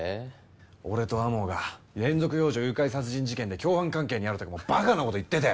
俺と天羽が連続幼女誘拐殺人事件で共犯関係にあるとかバカな事言ってて！